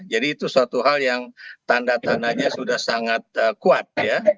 jadi itu suatu hal yang tanda tananya sudah sangat kuat ya